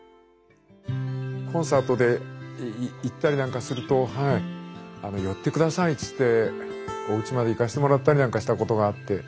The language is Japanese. コンサートで行ったりなんかすると「寄ってください」って言っておうちまで行かしてもらったりなんかしたことがあって。